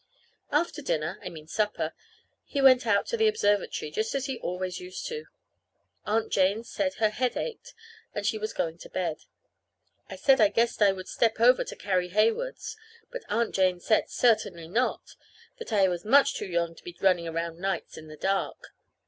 After dinner I mean supper he went out to the observatory, just as he always used to. Aunt Jane said her head ached and she was going to bed. I said I guessed I would step over to Carrie Heywood's; but Aunt Jane said, certainly not; that I was much too young to be running around nights in the dark.